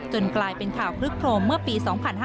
กลายเป็นข่าวคลึกโครมเมื่อปี๒๕๕๙